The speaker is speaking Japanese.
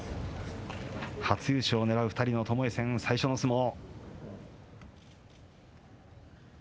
初優勝をねらう２人のともえ戦、最初の相撲。